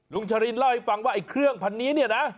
ชรินเล่าให้ฟังว่าไอ้เครื่องพันนี้เนี่ยนะ